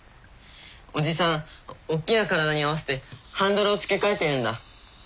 おじさんおっきな体に合わせてハンドルを付け替えてるんだ。